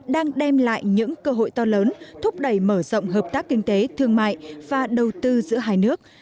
đang đem lại những cơ hội to lớn thúc đẩy mở rộng hợp tác kinh tế thương mại và đầu tư giữa hai nước